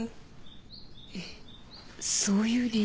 えっそういう理由？